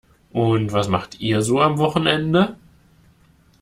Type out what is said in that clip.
Und was macht ihr so am Wochenende?